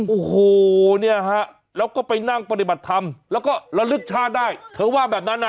โอ้โหเนี่ยฮะแล้วก็ไปนั่งปฏิบัติธรรมแล้วก็ระลึกชาติได้เธอว่าแบบนั้นนะ